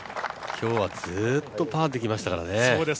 今日はずっとパーできましたからね。